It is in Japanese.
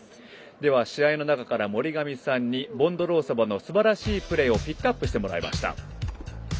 では、試合の中から森上さんにボンドロウソバのすばらしいプレーをピックアップしてもらいました。